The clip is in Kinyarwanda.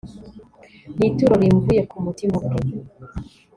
ni ituro rimvuye k'umutima ubwe